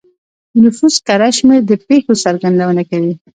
د نفوس کره شمېر د پېښو څرګندونه کوي.